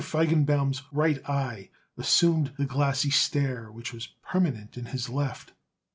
Feigenbaum's right eye assumed the glassy stare which was permanent in his left.